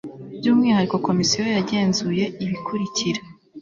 By umwihariko Komisiyo yagenzuye ibikurikira